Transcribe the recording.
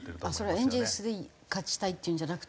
それはエンゼルスで勝ちたいっていうんじゃなくて？